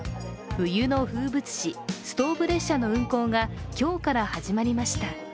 冬の風物詩、ストーブ列車の運行が今日から始まりました。